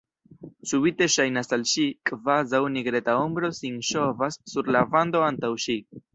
Subite ŝajnas al ŝi, kvazaŭ nigreta ombro sin ŝovas sur la vando antaŭ ŝi.